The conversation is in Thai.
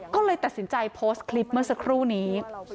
ก็เลยตัดสินใจโพสต์คลิปเมื่อสักครู่นี้